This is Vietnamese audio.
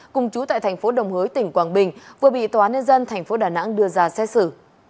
cùng chú tại thành phố đồng hới tỉnh quảng bình vừa bị tòa án nhân dân tp đà nẵng đưa ra xét xử